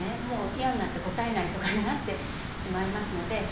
もう嫌になって答えないとかになってしまいますので。